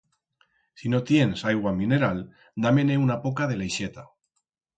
Si no tiens aigua mineral, da-me-ne una poca de la ixeta.